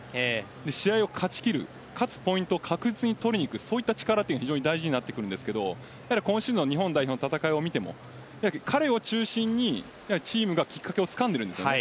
試合を勝ちきる、勝つポイントを取りにいく力が大事になってくるんですが今シーズンの日本代表の戦いを見ても彼を中心にチームがきっかけをつかんでいるんです。